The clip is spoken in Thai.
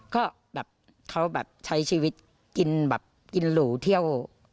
ก็เขาแบบใช้ชีวิตกินหลู่เที่ยว